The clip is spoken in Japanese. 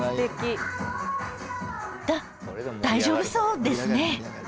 だ大丈夫そうですね。